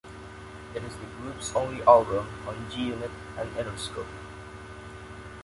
It is the group's only album on G-Unit and Interscope.